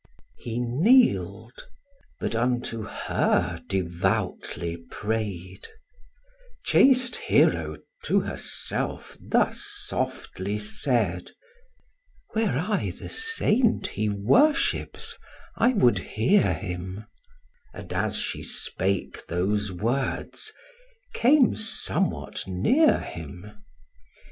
He kneel'd; but unto her devoutly pray'd: Chaste Hero to herself thus softly said, "Were I the saint he worships, I would hear him;" And, as she spake those words, came somewhat near him.